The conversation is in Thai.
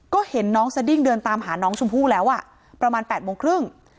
ก็เห็นน้องสดิ้งเดินตามหาน้องชมพู่แล้วอ่ะประมาณ๘โมงครึ่ง